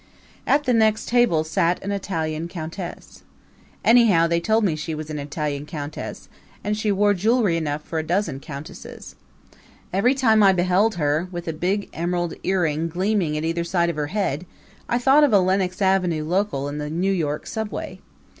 At the next table sat an Italian countess. Anyhow they told me she was an Italian countess, and she wore jewelry enough for a dozen countesses. Every time I beheld her, with a big emerald earring gleaming at either side of her head, I thought of a Lenox Avenue local in the New York Subway.